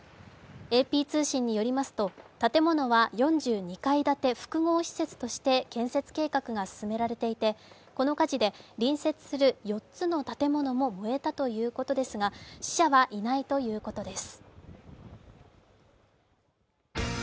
ＡＰ通信によりますと、建物は４２階建て複合施設として建設計画が進められていてこの火事で隣接する４つの建物も燃えたということですが、死者はいないということです。